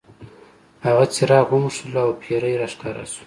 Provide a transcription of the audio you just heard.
هغه څراغ وموښلو او پیری را ښکاره شو.